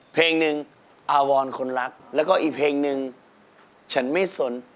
เพลงหนึ่งอาวรคนรักแล้วก็อีกเพลงหนึ่งฉันไม่สน